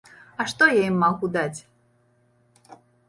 А што я ім магу даць?